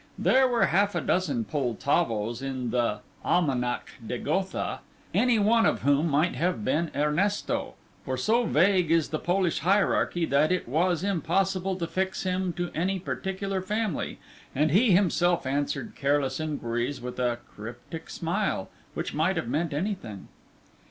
There were half a dozen Poltavos in the Almanack De Gotha, any one of whom might have been Ernesto, for so vague is the Polish hierarchy that it was impossible to fix him to any particular family, and he himself answered careless inquiries with a cryptic smile which might have meant anything.